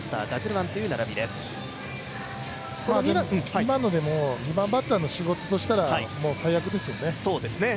今のでも２番バッターの仕事としたらもう最悪ですよね。